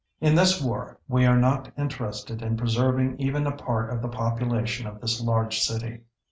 "In this war ... we are not interested in preserving even a part of the population of this large city."